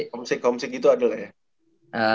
komsik komsik itu ada nggak ya